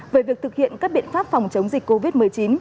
về việc thực hiện các biện pháp phòng chống dịch covid một mươi chín